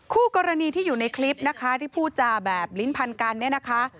คู่กรณีที่อยู่ในคลิปนะคะที่พูดจาแบบลิ้นพันกันเนี่ยนะคะ